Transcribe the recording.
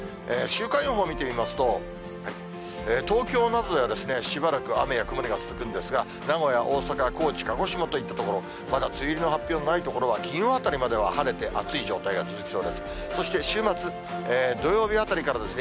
週間予報を見てみますと、東京などではしばらく雨や曇りが続くんですが、名古屋、大阪、高知、鹿児島といった所、まだ梅雨入りの発表がない所では、金曜あたりまでは晴れて暑い状態が続きそうです。